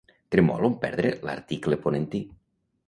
Tremolo en perdre l'article ponentí.